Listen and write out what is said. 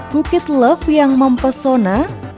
bukit love yang mempesona